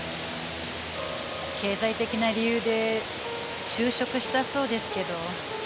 経済的な理由で就職したそうですけど。